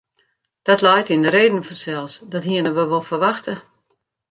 Dat leit yn de reden fansels, dat hienen we wol ferwachte.